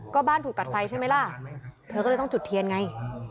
ก็บ้านถูกกัดไฟใช่ไหมล่ะเธอก็เลยต้องจุดเทียนไง